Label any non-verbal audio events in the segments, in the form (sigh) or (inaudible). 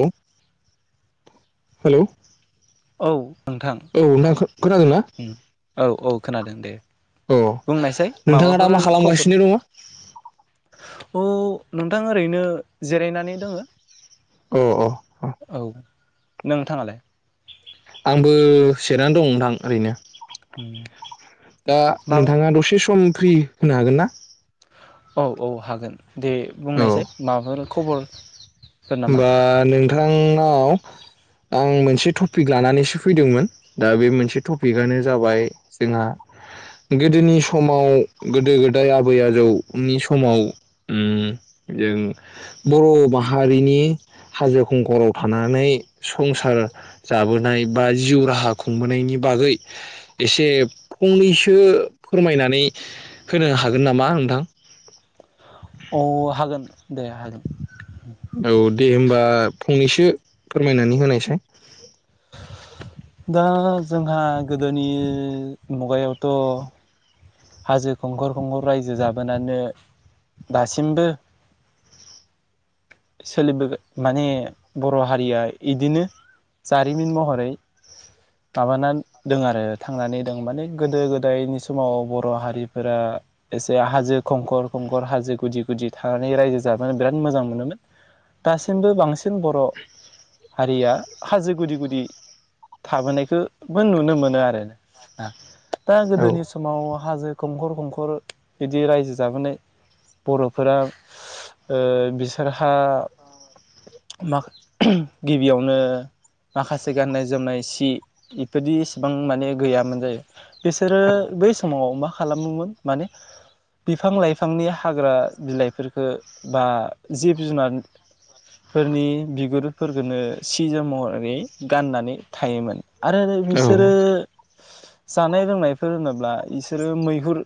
औ हेलौ औ। नोंथां औ नोंथांखौ उम औ औ। खोनादों दे। अ बुंनायसाय नोंथाङा दा माबाफोर मा खालामगासिनो दङ? अ नोंथां ओरैनो जिरायनानै दोङो। अ अ अ। औ नोंथाङालाय? आंबो जिरनानै दं नोंथां ओरैनो। उम दा माबा नोंथाङा दसे सम फ्रि होनो हागोन ना? औ औ हागोन। दे औ बुंनायसै माबाफोर। खबर होमबा नोंथांनाव आं मोनसे टपिक लानानैसो फैदोंमोन। दा बे मोनसे टपिकानो जाबाय जोंहा गोदोनि समाव गोदो गोदाय आबै आजौनि समाव उम जों बर'माहा हारिनि हाजो खुंखराव थानानै संसार जाबोनाय बा जिउ राहा खुंबोनायनि बागै एसे फंनैसो फोरमायनानै होनो हागोन नामा नोंथां? अ हागोन दे हागोन। औ दे होमबा। फंनैसो फोरमायनानै होनायसाय दा जोंहा गोदोनि मुगायावथ हाजो खुंखर खुंखर रायजो जाबोनानो दासिमबो सोलिबो माने बर हारिया इदिनो जारिमिन महरै माबा दं आरो थांनानै दं माने गोदो गोदायनि समाव बर हारिफोरा एसे हाजो खंखर खंखर हाजो गुदि गुदि थानानै रायजो जाबोनो बिराद मोजां मोनोमोन दासिमबो बांसिन बर हारिया हाजो गुदि गुदि थाबोनायखौबो नुनो मोनो आरो ना दा औ गोदोनि समाव हाजो खंखर खंखर बिदि रायजो जाबोनाय बरफोरा बि बिसोरहा मा गिबियावनो माखासे गाननाय जोमनाय सि बेबायि इसिबां माने गैयामोन जायो बिसोरो औ बै समाव मा खालामोमोन माने बिफां लाइफांनि हाग्रा बिलाइफोरफोरखौ बा जिब जुनारफोरनि बिगुरुफोरखौनो सि जोम महरै गाननानै थायोमोन आरो औ बिसोरो जानाय लोंनायफोर होनोब्ला बिसोरो मैहुर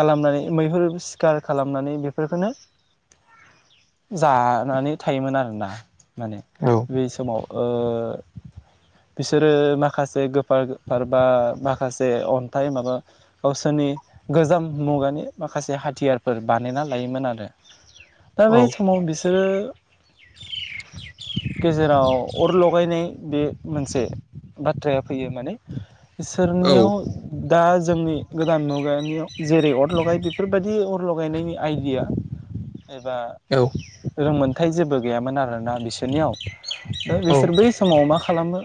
खालामनानै मैहुर सिखार खालामनानै बेफोरखौनो जानानै थायोमोन आरोना माने औ बे समाव बिसोरो माखासे गोफार गोफार बा माखासे अन्थाइ माबा गावसोरनि गोजाम मुगानि माखासे हाथियारफोर बानायना लायोमोन आरो दा बै औ समाव बिसोरो गेजेराव अर लगायनाय बे मोनसे बाथ्राया फैयो माने औ इसोरनियाव दा जोंनि गोदान मुगानियाव जेरै अर लगाय बेफोरबायदि अर लगायनायनि आइडिया एबा औ रोंमोन अन्थाइ जेबो गैयामोन आरोना बिसोरनियाव दा बिसोर बै समाव मा खालामो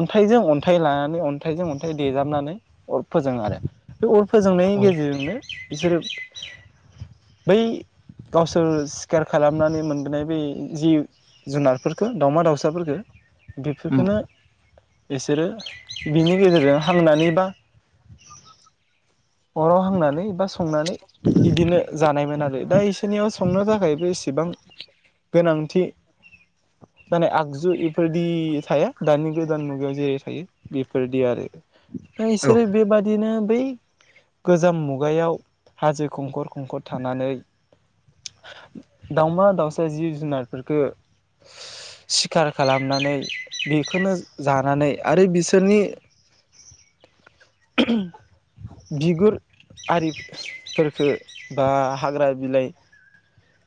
अन्थाइजों अन्थाइ लानानै अन्थाइजों अन्थाइ देेजाबनानै अर फोजोङो आरो बे अर फोजोंनायनि औ गेजेरजोंनो बिसोरो बै गावसोर सिखार खालामनानै मोनबोनाय बे जि जुनारफोरखौ दावमा दावसाफोरफोरखौ बेफोरफोरखौनो बिसोरो बिनि गेजेरजों हांनानै बा अराव हांनानै बा संनानै इदिनो जानायमोन आरो दा इसोरनियाव संनो थाखायबो एसेबां गोनांथि जानाय आगजु बेफोरदि थाया दानि गोदान मुगायाव जेरै थायो बेफोरदि आरो दा इसोरो बेबादिनो बै गोजाम मुगायाव हाजो खंखर खंखर थानानै दावमा दाउसा जिब जुनारफोरखौ सिखार खालामनानै बेखौनो जानानै आरो बिसोरनि बिगुर आरिफोरखो बा हाग्रा बिलाइ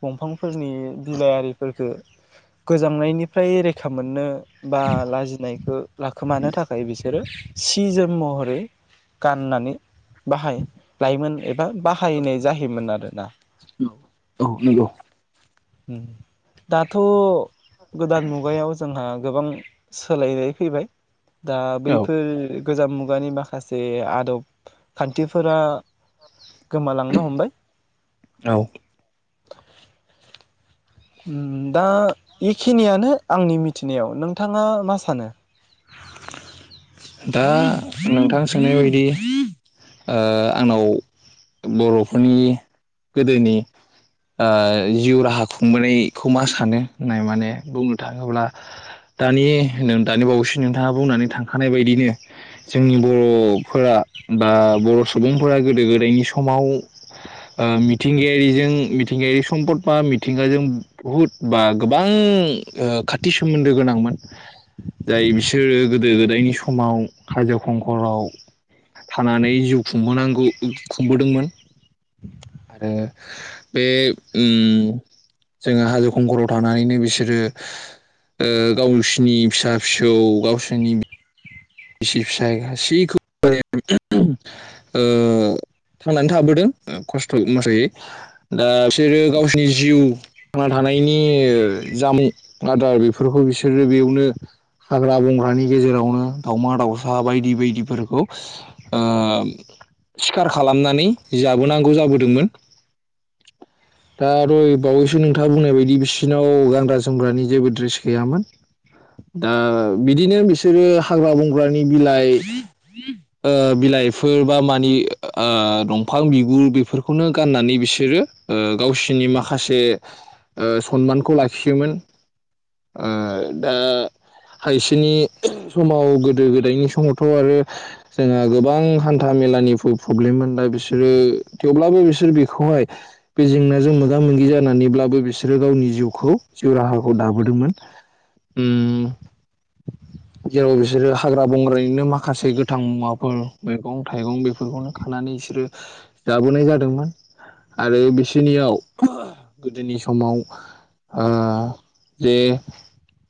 दंफांफोरनि बिलाइआरिफोरफोरखौ गोजांनायनिफ्राय रैखा मोननो बा लाजिनायखौ लाखोमानो थाखाय बिसोरो सिजोम महरै गाननानै बाहाय लायोमोन एबा बाहायनाय जायैयोमोन आरोना औ नंगौ दाथ गोदान मुगायाव जोंहा गोबां सोलायनाय फैबाय दा औ बैफोर गोजाम मुगानि माखासे आदब खान्थिफोरा गोमालांनो हमबाय औ (unintelligible) दा बेखिनियानो आंनि मिथिनायाव नोंथाङा मा सानो दा नोंथां सोंनाय बायदि आंनाव बरफोरनि गोदोनि जिउ राहा खुंबोनायखौ मा सानो होननाय माने बुंनो थाङोब्ला दानि दानि बावैसो नोंथाङा बुंनानै थांखानाय बायदि बिनो जोंनि बर' फोर बा बर' सुबुंफोरा गोदो गोदाय गोदनि समाव मिथिंगायारिजों मिथिंगायारि सम्पद बा मिथिंगाजों बुहुद बा गोबां खाथि सोमोन्दो गोनांमोन जाय बिसोरो गोदो गोदायनि सम समाव हाजो खंखराव थानानै जिउ खुंबोनांगौ खुंबोदोंमोन आरो बे जोङो हाजो खंखराव थानानैनो बिसोरो गावसोरनि फिसा फिसौ गावसोरनि बिसि फिसाय गासैखौबो थांनानै थाबोदों खस्थ मोसथयै दा बिसोरो गावसोरनि जिउ थांना थानायनि जामुं आदार बेफोरखौ बिसोरो बेयावनो हाग्रा बंग्रानि गेजेरावनो दावमा दाउसा बायदि बायदिफोरखौ सिखार खालामनानै जाबोनांगौ जाबोदोंमोन दा आरोय बावैसो नोंथाङा बुंनाय बायदि बिसोरनाव गानग्रा जोमग्रानि जेबो द्रेस गैयामोन दा बिदिनो बिसोरो हाग्रा बंग्रानि बिलाइ बिलाइफोर बा मानि दंफां बिगुर बेफोरखौनो गाननानै बिसोरो गावसिनि माखासे सनमानखौ लाखियोमोन दा हायसेनि समाव गोदो गोदायनि समावथ आरो जोंहा गोबां हान्था मेलानिबो प्रब्लेममोन दा बिसोरो थेवब्लाबो बिसोर बेखौहाय बे जेंनाजों मोगा मोगि जानानैब्लाबो बिसोरो गावनि जिउखौ जिउ राहाखौ दाबोदोंमोन जेराव बिसोरो हाग्रा बंग्रानिनो माखासे गोथां मुवाफोर मैगं थाइगं बेफोरखौनो खानानै बिसोरो जाबोनाय जादोंमोन आरो बिसोरनियाव गोदोनि समाव जे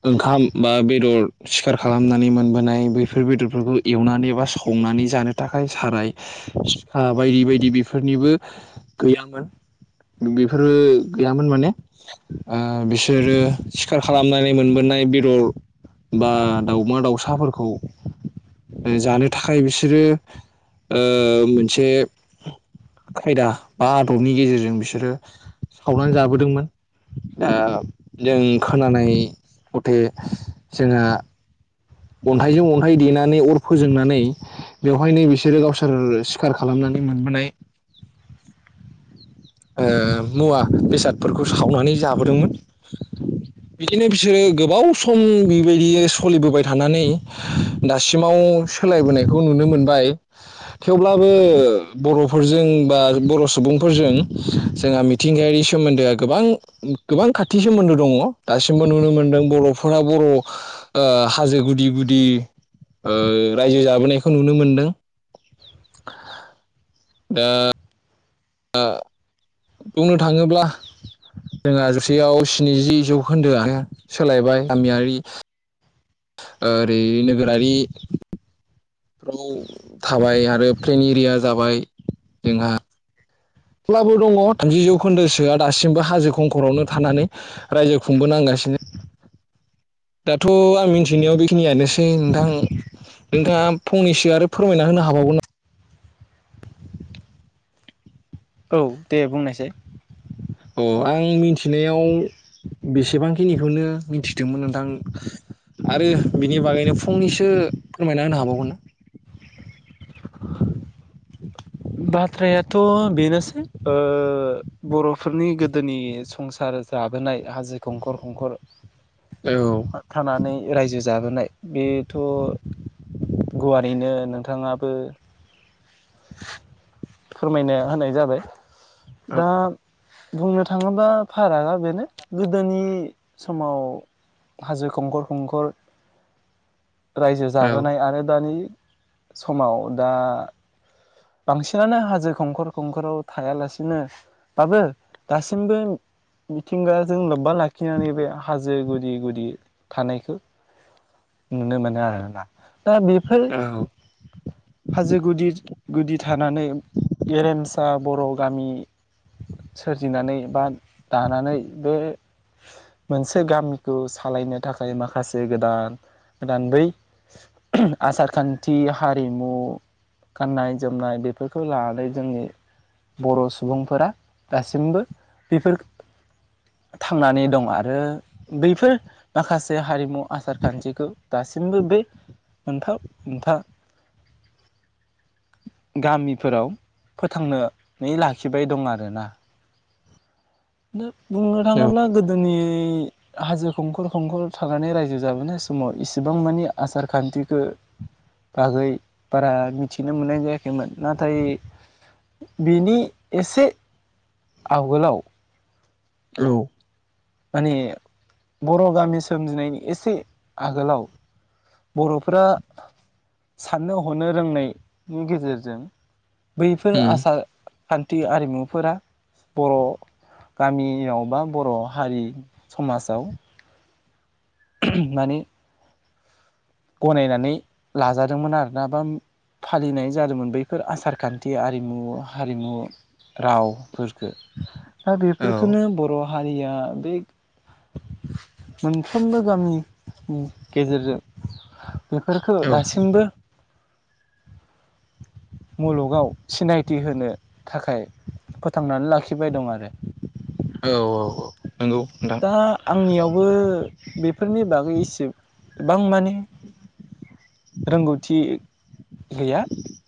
ओंखाम बा बेदर सिखार खालामनानै मोनबोनाय बैफोर बेदरफोरखौ एवनानै बा संनानै जानो थाखाय साराय सिखा बायदि बायदि बेफोरनिबो गैयामोन बेफोरबो गैयामोन माने बिसोरो सिखार खालामनानै मोनबोनाय बेदर बा दाउमा दाउसाफोरखौ जानो थाखाय बिसोरो मोनसे खायदा बा आदबनि गेजेरजों बिसोरो सावनानै जाबोदोंमोन दा जों खोनानाय मथे जोंहा अन्थाइजों अन्थाइ देनानै अर फोजोंनानै बेवहायनो बिसोरो गावसोर सिखार खालामनानै मोनबोनाय मुवा बेसादफोरखौ सावनानै जाबोदोंमोन बिदिनो बिसोरो गोबाव सम बेबायदि सोलिबोबाय थानानै दासिमाव सोलायबोनायखौ नुनो मोनबाय थेवब्लाबो बरफोरजों बा बर सुबुंफोरजों जोंहा मिथिंगायारि सोमोन्दोआ गोबां गोबां खाथि सोमोन्दो दङ दासिमबो नुनो मोनदों बरफोरा बर हाजो गुदि गुदि रायजो जाबोनायखौ नुनो मोनदों दा बुंनो थाङोब्ला जोंहा जसेयाव स्निजि जौखोन्दोआ सोलायबाय गामियारि ओरै नोगोरारि फाव थाबाय आरो प्लेन एरिया जाबाय जोंहा थेब्लाबो दङ थामजि जौखोन्दोसोआ दासिमबो हाजो खंखरावनो थानानै रायजो खुंबोनांगासिनो दाथ आं मिन्थिनायाव बेखिनियानोसै नोंथां नोंथाङा फंनैसो आरो फोरमायना होनो हाबावगोन औ दे बुंनायसै अ आं मिथिनायाव बेसेबांखिनिखौनो मिथिदोंमोन नोंथां आरो बिनि बागैनो फंनिसो फोरमायना होनो हाबावगोन ना बाथ्रायाथ' बेनोसै ओ बरफोरनि गोदोनि संसार जाबोनाय हाजो खंखर खंखर औ हर थानानै रायजो जाबोनाय बेथ' गुवारैनो नोंथाङाबो फोरमायनो होनाय जाबाय औ दा बुंनो थाङोब्ला फारागा बेनो गोदोनि समाव हाजो खंखर खंखर रायजो जाबोनाय औ आरो दानि समाव दा बांसिनानो हाजो खंखर खंखराव थायालासिनो बाबो दासिमबो मिथिंगाजों लोब बा लाखिनानै बे हाजो गु दि गुदि थानायखौ नुनो मोनो आरोना दा बेफोर हाजो गुदि गुदि थानानै गेरेमस ओ बर' गामि सोरजिनानै बा दानानै बे मोनसे गामिखौ सालायनो थाखाय माखासे गोदान गोदान बै आसार खान्थि हारिमु गाननाय जोमनाय बेफोरखौ लानानै जोंनि बर' सुबुंफोरा दासिमबो बेफोर थांनानै दं आरो बैफोर माखासे हारिमु आसार खान्थिखौ दासिमबो बे मोनफा मोनफा गामिफोराव फोथांनोनै लाखिबाय दं आरोना । नो बुंनो औ थाङोब्ला गोदोनि नि हाजो खंखर खंखर थानानै रायजो जाबोनाय समाव इसिबां मानि आसार खान्थिखो बागै बारा मिथिनो मोननाय जायाखैमोन। नाथाय बेनि एसे आवगोलाव औ माने बर' गामि सोमजिनायनि एसे आगोलाव बर'फोरा साननो हनो रोंनायनि गेजेरजों बैफोर उम आसार खान्थि आरिमुफोरा बर' गामियाव बा बर' हारि समाजाव मानि गनायनानै लाजादोंमोन आरोना बा फालिनाय जादोंमोन बैफोर आसारखान्थि आरिमु हारिमु रावफोरखो दा औ बेफोरफोरखौनो बर' हारिया बे मोनफ्रोमबो गामिनि गेजेरजों (inaudible) बेफोरखो औ दासिमबो मुलुगाव सिनायथि होनो थाखाय फोथांनानै लाखिबाय दं आरो औ औ औ नंगौ नोंथां दा आंनियाव बो बेफोरनि बागै एसेबां माने रोंगौथि गैया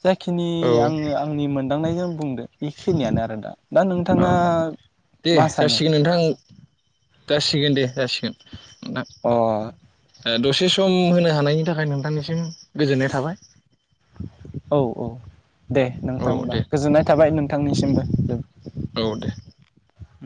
जायाखिनि औ आङो आंनि मोन दांनायजों बुंदो बेखिनियानो आरो दा दा औ नोंथाङा दे मा सानो जासिगोन नोंथां जासिगोन दे जासिगोन अ दसे सम होनो हानायनि थाखाय नोंथांनिसिम गोजोननाय थाबाय। औ औ दे। औ नोंथांबा दे गोजोननाय थाबाय नोंथांनिसिमबो। (inaudible) औ दे। उ